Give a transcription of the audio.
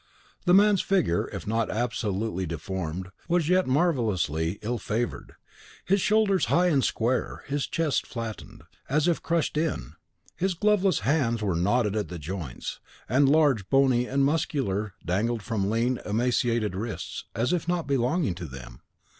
The man's figure, if not absolutely deformed, was yet marvellously ill favoured; his shoulders high and square; his chest flattened, as if crushed in; his gloveless hands were knotted at the joints, and, large, bony, and muscular, dangled from lean, emaciated wrists, as if not belonging to them.